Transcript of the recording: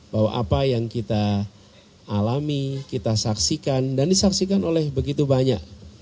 bahwa apa yang kita alami kita saksikan dan disaksikan oleh begitu banyak